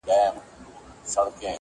چي نه زر لرې نه مال وي نه آسونه.!.!